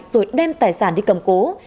rồi đem tài sản đi cướp giả